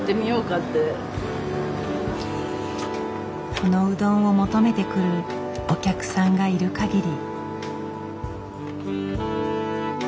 このうどんを求めて来るお客さんがいるかぎり。